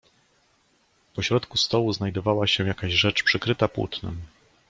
"Po środku stołu znajdowała się jakaś rzecz, przykryta płótnem."